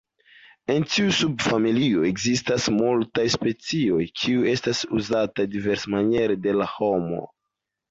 En tiu subfamilio ekzistas multaj specioj, kiuj estas uzataj diversmaniere de la homo.